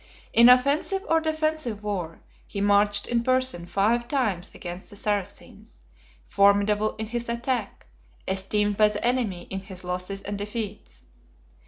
In offensive or defensive war, he marched in person five times against the Saracens, formidable in his attack, esteemed by the enemy in his losses and defeats.